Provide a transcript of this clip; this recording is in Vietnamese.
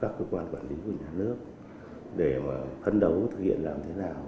cơ quan quản lý của nhà nước để phấn đấu thực hiện làm thế nào